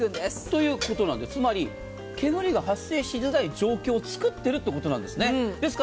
ということなのでつまり煙が発生しづらい状況をつくっているということなんです。